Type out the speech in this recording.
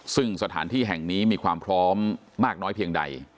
ซึ่งสถานที่แห่งนี้มีความพร้อมมากน้อยเพียงใด